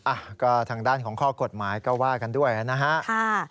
อ่ะก็ทางด้านของข้อกฎหมายก็ว่ากันด้วยนะฮะค่ะ